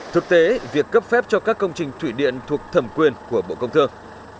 thực tế việc cấp phép cho các công trình thủy điện thuộc thẩm quyền của bộ công thương